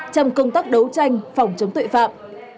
trong công tác đấu tranh phòng chống tội phạm